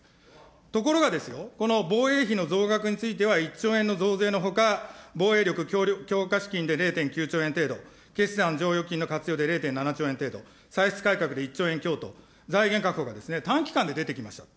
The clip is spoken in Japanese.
ところがですよ、この防衛費の増額については１兆円の増税のほか、防衛力強化資金で０．９兆円程度、決算剰余金の活用で０．７兆円程度、歳出改革で１兆円強と、財源確保が短期間で出てきましたと。